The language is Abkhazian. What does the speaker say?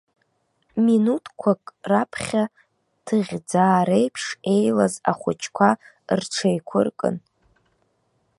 Минуҭқәак раԥхьа ҭыӷьӡаа реиԥш еилаз ахәыҷқәа рҽеиқәыркын.